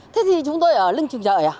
thế thì chúng tôi ở lưng trường trợi à